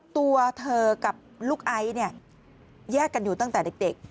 ตัวเธอกับลูกไอซ์เนี่ยแยกกันอยู่ตั้งแต่เด็ก